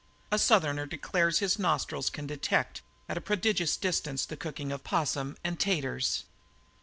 A Southerner declares that his nostrils can detect at a prodigious distance the cooking of "possum and taters."